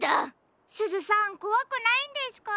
すずさんこわくないんですか？